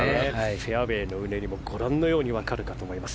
フェアウェーのうねりも分かるかと思います。